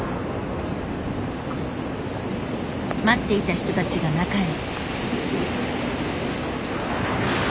待っていた人たちが中へ。